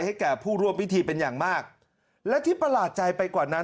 แก่ผู้ร่วมพิธีเป็นอย่างมากและที่ประหลาดใจไปกว่านั้น